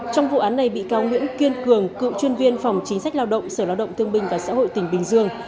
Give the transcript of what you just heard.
trong vụ án này bị cáo nguyễn kiên cường cựu chuyên viên phòng chính sách lao động sở lao động thương binh và xã hội tỉnh bình dương